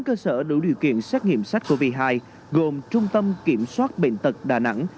bốn cơ sở đủ điều kiện xét nghiệm sars cov hai gồm trung tâm kiểm soát bệnh tật đà nẵng